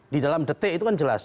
di dalam detik itu kan jelas